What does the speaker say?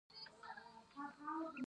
ته او عبدالهادي بل كار له جوړ يې.